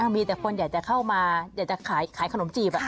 มีแต่คนอยากจะเข้ามาอยากจะขายขนมจีบ